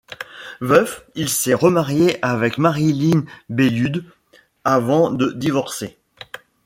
Veuf, il s'est remarié avec Maryline Bellieud, avant de divorcer.